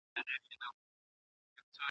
تاسو بايد د تاريخ له تېرو پېښو عبرت واخلئ.